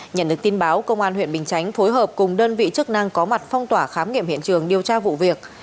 nhận được tin báo công an huyện bình chánh phối hợp cùng đơn vị chức năng có mặt phong tỏa khám nghiệm hiện trường điều tra vụ việc